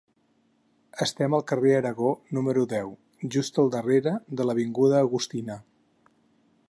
Estem al carrer Aragó, número deu, just al darrere de l'avinguda Agustina.